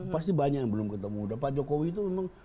pasti banyak yang belum ketemu pak jokowi itu memang